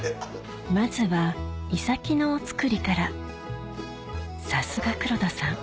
まずはイサキのお造りからさすが黒田さん